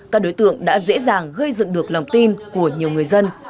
các đối tượng đã dễ dàng gây dựng được lòng tin của nhiều người dân